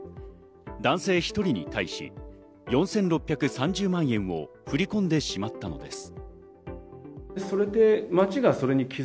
男性１人に対し４６３０万円を振り込んでしまったのです。